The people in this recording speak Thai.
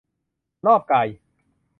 รอบกาย